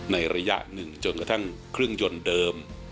ระยะหนึ่งจนกระทั่งเครื่องยนต์เดิม